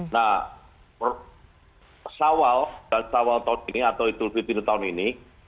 nah sawal tahun ini atau itul fitri tahun ini